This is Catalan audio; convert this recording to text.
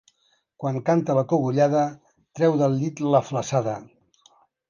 Quan canta la cogullada treu del llit la flassada.